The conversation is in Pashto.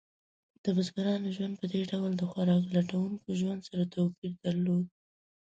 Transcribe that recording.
د بزګرانو ژوند په دې ډول د خوراک لټونکو ژوند سره توپیر درلود.